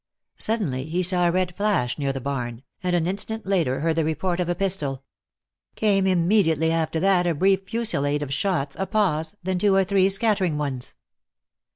Suddenly he saw a red flash near the barn, and an instant later heard the report of a pistol. Came immediately after that a brief fusillade of shots, a pause, then two or three scattering ones.